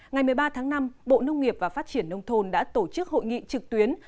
ngày một mươi ba tháng năm bộ nông nghiệp và phát triển nông thôn đã tổ chức hội nghị trực tuyến